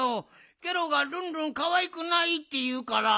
ケロがルンルンかわいくないっていうから。